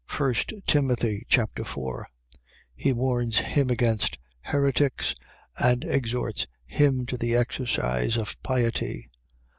1 Timothy Chapter 4 He warns him against heretics, and exhorts him to the exercise of piety.